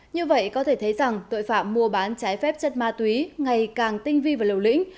như vậy có thể thấy rằng tội phạm mua bán trái phép chất ma túy ngày càng tinh vi và liều lĩnh